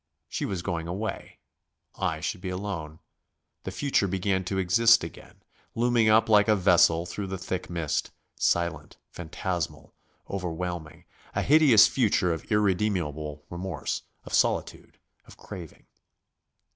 She was going away. I should be alone. The future began to exist again, looming up like a vessel through thick mist, silent, phantasmal, overwhelming a hideous future of irremediable remorse, of solitude, of craving.